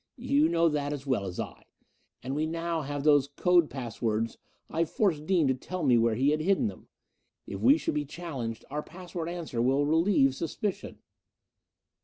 "You know that as well as I do. And we now have those code pass words I forced Dean to tell me where he had hidden them. If we should be challenged, our pass word answer will relieve suspicion."